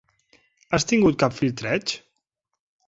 Has tingut cap flirteig?